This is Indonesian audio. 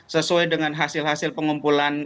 sesuai dengan hasil hasil pengumpulan